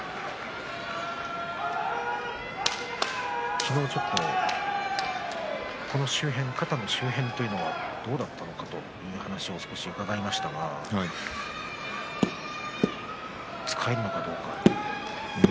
昨日、肩の周辺というのはどうだったのかという話を伺いましたが、使えるのかどうか。